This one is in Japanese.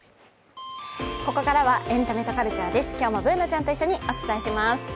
ここからは「エンタメとカルチャー」今日もＢｏｏｎａちゃんと一緒にお伝えします。